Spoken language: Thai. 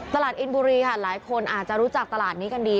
ตลาดอินบุรีค่ะหลายคนอาจจะรู้จักตลาดนี้กันดี